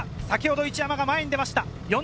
先ほど一山が前に出ました。